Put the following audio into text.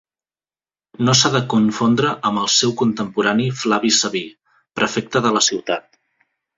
No s'ha de confondre amb el seu contemporani Flavi Sabí, prefecte de la ciutat.